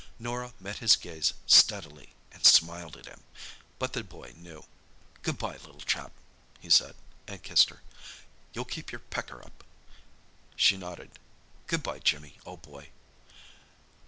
Norah met his gaze steadily and smiled at him. But the boy knew. "Good bye, little chap," he said, and kissed her. "You'll keep your pecker up?" She nodded. "Good bye, Jimmy, old boy."